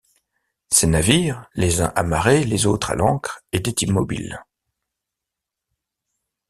Ces navires, les uns amarrés, les autres à l’ancre, étaient immobiles.